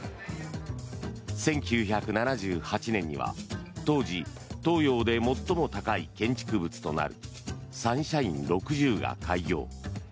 １９７８年には当時東洋で最も高い建築物となるサンシャイン６０が開業。